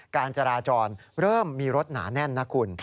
การจราจรเริ่มมีรถหนาแน่นนะคุณ